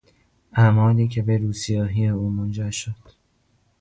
اعمالی که به روسیاهی او منجر شد.